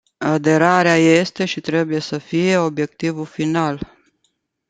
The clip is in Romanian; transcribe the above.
Aderarea este și trebuie să fie obiectivul final.